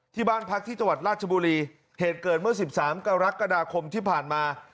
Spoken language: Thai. ที่บ้านพักที่จังหวัดราชบุรีเหตุเกิดเมื่อ๑๓กรกฎาคมที่ผ่านมา